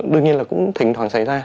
đương nhiên là cũng thỉnh thoảng xảy ra